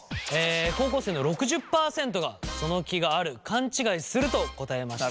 高校生の６０％がその気がある勘違いすると答えました。